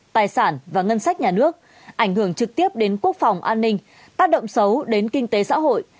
tài sản và ngân sách nhà nước ảnh hưởng trực tiếp đến quốc phòng an ninh tác động xấu đến kinh tế xã hội